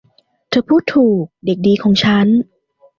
เธอพูดถูก เด็กดีของฉัน